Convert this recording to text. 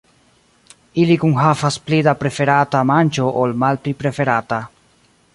Ili kunhavas pli da preferata manĝo ol malpli preferata.